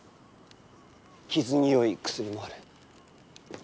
傷に良い薬もある。